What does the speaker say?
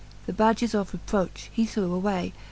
The badges of reproch, he threw away.